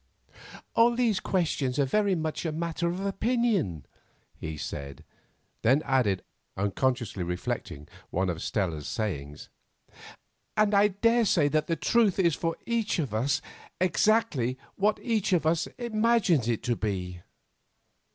"All these questions are very much a matter of opinion," he said; then added, unconsciously reflecting one of Stella's sayings, "and I daresay that the truth is for each of us exactly what each of us imagines it to be."